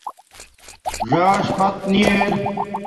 ژݳݽ فت نی ار